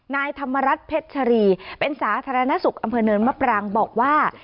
นายธรรมรัฐเพชรชรีเป็นสาธารณสุขอำเภอเนินมะปรางบอกว่า